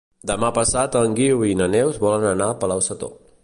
Demà passat en Guiu i na Neus volen anar a Palau-sator.